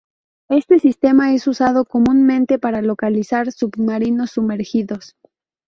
Este sistema es usado comúnmente para localizar submarinos sumergidos.